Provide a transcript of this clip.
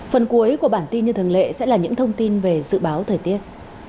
phần cuối của bản tin như thường lệ sẽ là những thông tin về dự báo thời tiết